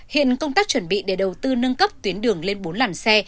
hiện công tác chuẩn bị để đầu tư nâng cấp tuyến đường lên bốn làn xe